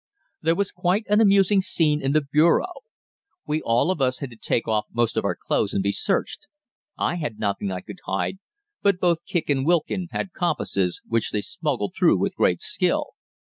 There was quite an amusing scene in the bureau. We all of us had to take off most of our clothes and be searched. I had nothing I could hide, but both Kicq and Wilkin had compasses, which they smuggled through with great skill.